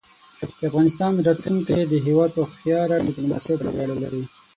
د افغانستان راتلونکی د هېواد په هوښیاره دیپلوماسۍ پورې اړه لري.